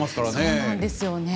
そうなんですよね。